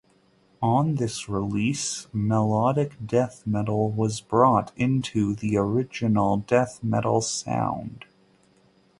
On this release melodic death metal was brought into the original death metal sound.